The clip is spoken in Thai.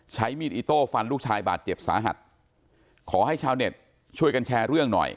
ใช้มีดอิโต้ฟันลูกชายบาดเจ็บสาหัสขอให้ชาวเน็ตช่วยกันแชร์เรื่องหน่อย